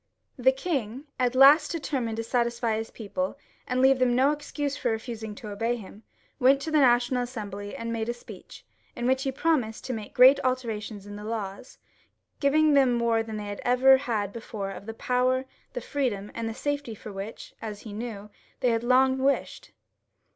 The king, at last determined to satisfy his people, and leave them no excuse for refusing to obey him, went to the National Assembly and made a speech, in which he pro mised to make great alterations in the laws, giving them more than they had ever had before, of the power, the freedom, ■ and the safety, for which, as he knew, they had long wished.